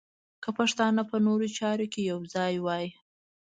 که پښتانه په نورو چارو کې یو ځای وای.